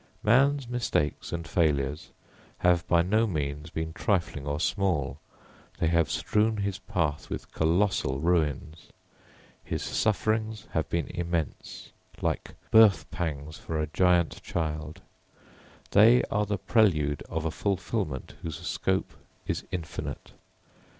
Man's mistakes and failures have by no means been trifling or small, they have strewn his path with colossal ruins; his sufferings have been immense, like birth pangs for a giant child; they are the prelude of a fulfilment whose scope is infinite.